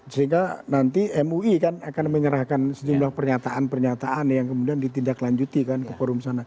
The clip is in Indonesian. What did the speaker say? sehingga nanti mui kan akan menyerahkan sejumlah pernyataan pernyataan yang kemudian ditindaklanjuti kan ke forum sana